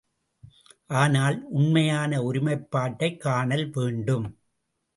ஆனால் உண்மையான ஒருமைப்பாட்டைக் காணல் வேண்டும்.